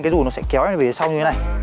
cái rù nó sẽ kéo em về sau như thế này